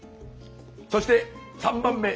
そして３番目。